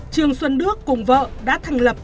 trường xuân đức cùng vợ đã thành lập